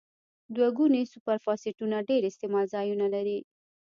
دوه ګونې سوپر فاسفیټونه ډیر استعمال ځایونه لري.